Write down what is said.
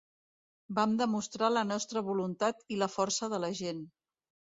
Vam demostrar la nostra voluntat i la força de la gent.